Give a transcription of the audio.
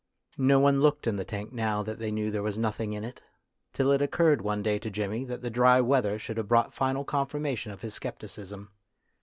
No one looked in the tank now that they knew there was nothing in it, till it occurred one day to Jimmy that the dry weather should have brought final confirmation of his scep ticism.